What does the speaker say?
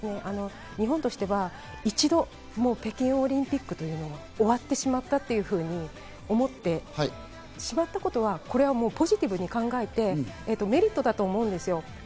日本としては一度、北京オリンピックというものは終わってしまったというふうに思ってしまったことは、ポジティブに考えてメリットだと思うんです。